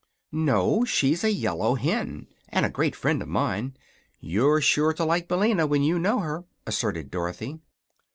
"No; she's a yellow hen, and a great friend of mine. You're sure to like Billina, when you know her," asserted Dorothy.